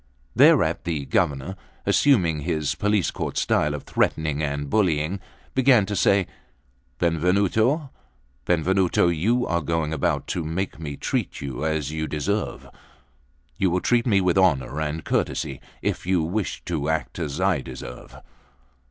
Thereat the Governor, assuming his police court style of threatening and bullying, began to say: "Benvenuto, Benvenuto, you are going about to make me treat you as you deserve." "You will treat me with honour and courtesy, if you wish to act as I deserve."